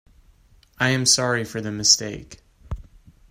I am sorry for the mistake.